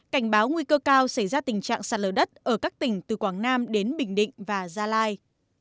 cảnh báo nguy cơ cao xảy ra tình trạng sạt lở đất ở các tỉnh từ quảng nam đến bình định và gia lai